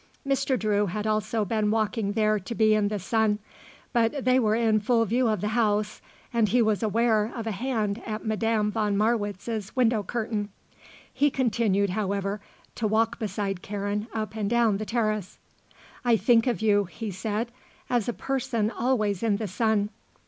Mr. Drew had also been walking there to be in the sun; but they were in full view of the house and he was aware of a hand at Madame von Marwitz's window curtain. He continued, however, to walk beside Karen up and down the terrace. "I think of you," he said, "as a person always in the sun.